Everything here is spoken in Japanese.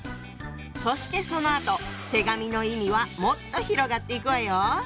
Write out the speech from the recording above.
そしてそのあと手紙の意味はもっと広がっていくわよ！